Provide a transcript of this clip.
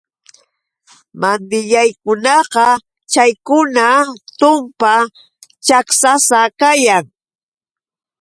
Mandilllaykunaqa chaykuna tumpa chaksasa kayan.